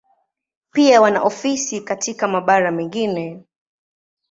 Pia wana ofisi katika mabara mengine.